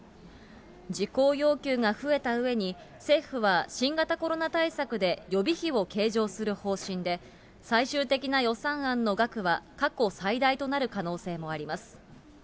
事項要求が増えたうえに、政府は新型コロナ対策で予備費を計上する方針で、最終的な予算案の額は、過去最大となる可能性もあります。